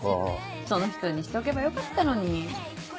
その人にしとけばよかったのに。